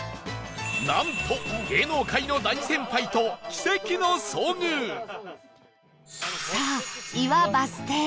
なんと芸能界の大先輩とさあ岩バス停